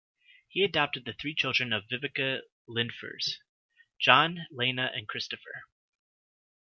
He adopted the three children of Viveca Lindfors, John, Lena and Kristoffer.